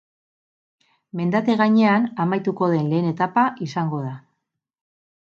Mendate gainean amaituko den lehen etapa izango da.